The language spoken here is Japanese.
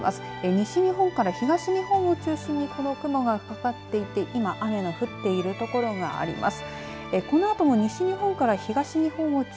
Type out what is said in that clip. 西日本から東日本を中心にこの雲がかかっていて今、雨の降っている所があります。